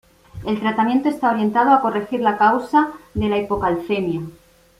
El tratamiento está orientado a corregir la causa de la hipocalcemia.